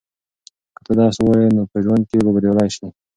که ته درس ووایې نو په ژوند کې به بریالی شې.